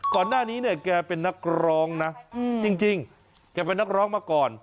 ก่อนหน้านี้เนี่ยแกเป็นนักร้องนะจริงแกเป็นนักร้องมาก่อน